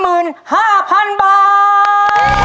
โอ้โฮสุดยอด